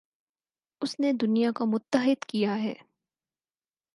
اس نے دنیا کو متحد کیا ہے